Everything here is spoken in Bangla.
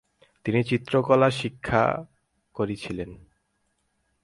তিনি চিত্রকলা শিক্ষা করেছিলেন।